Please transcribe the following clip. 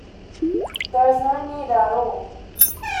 There is no need at all.